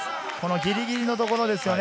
ギリギリのところですね。